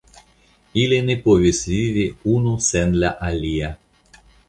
Ili ne povis vivi unu sen la alia.